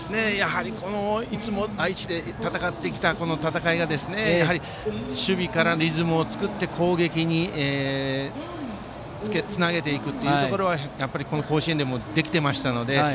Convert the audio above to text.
いつも愛知で戦ってきた戦いが守備からリズムを作って攻撃につなげていくところはやっぱり甲子園でもできていましたので。